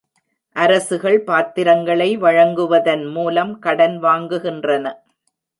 அரசுகள் பத்திரங்களை வழங்குவதன் மூலம் கடன் வாங்குகின்றன.